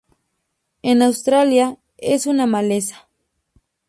En Australia es una maleza.